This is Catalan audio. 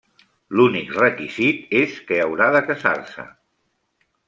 L'únic requisit és que haurà de casar-se.